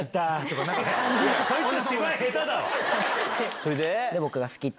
それで？